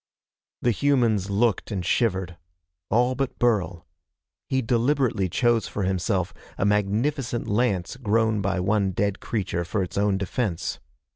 The humans looked and shivered. All but Burl. He deliberately chose for himself a magnificent lance grown by one dead creature for its own defense.